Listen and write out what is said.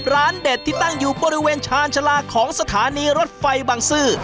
เด็ดที่ตั้งอยู่บริเวณชาญชาลาของสถานีรถไฟบางซื่อ